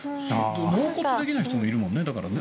納骨できない人もいるもんね。